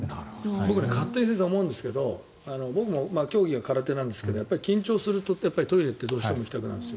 僕、勝手に思うんですけど僕も競技は空手なんですけど緊張するとトイレってどうしても行きたくなるんですよ。